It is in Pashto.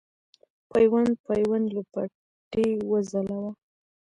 پیوند پیوند لوپټې وځلوه